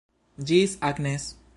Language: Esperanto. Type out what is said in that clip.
Ĝis, Agnes.